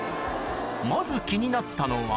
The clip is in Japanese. まず気になったのは